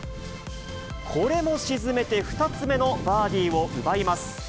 これも沈めて、２つ目のバーディーを奪います。